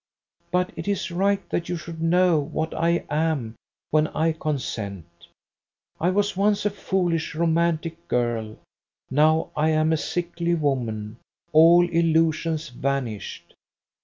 But it is right that you should know what I am when I consent. I was once a foolish, romantic girl; now I am a sickly woman, all illusions vanished.